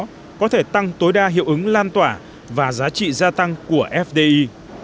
đó có thể tăng tối đa hiệu ứng lan tỏa và giá trị gia tăng của fdi